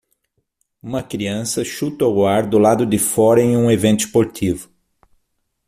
Uma criança chuta o ar do lado de fora em um evento esportivo.